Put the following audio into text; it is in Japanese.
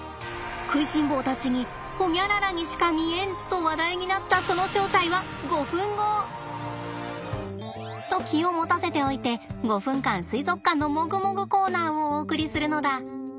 食いしん坊たちにホニャララにしか見えん！と話題になったそのと気を持たせておいて５分間水族館のもぐもぐコーナーをお送りするのだ。